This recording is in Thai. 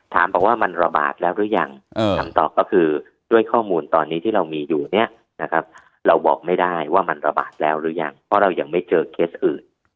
บอกว่ามันระบาดแล้วหรือยังคำตอบก็คือด้วยข้อมูลตอนนี้ที่เรามีอยู่เนี่ยนะครับเราบอกไม่ได้ว่ามันระบาดแล้วหรือยังเพราะเรายังไม่เจอเคสอื่น